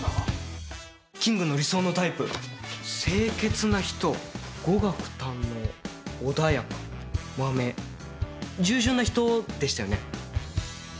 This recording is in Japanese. キングの理想のタイプ清潔な人語学堪能穏やかマメ従順な人でしたよね？